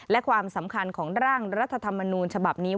และความสำคัญของร่างรัฐธรรมนูญฉบับนี้